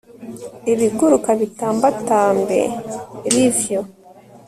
ibiguruka bitambatambe, +r, ivyo